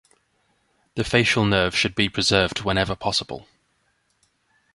The facial nerve should be preserved whenever possible.